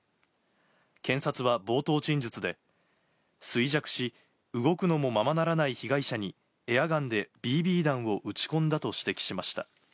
検察は冒頭陳述で、衰弱し、動くのもままならない被害者に、エアガンでＢＢ弾を撃ち込んだと指摘しました。